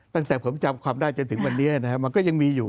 ตั้งแต่ผมจำความได้จนถึงวันนี้นะครับมันก็ยังมีอยู่